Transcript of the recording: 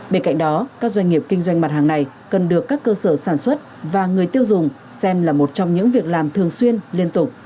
bên cạnh đó các doanh nghiệp kinh doanh mặt hàng này cần được các cơ sở sản xuất và người tiêu dùng xem là một trong những việc làm thường xuyên liên tục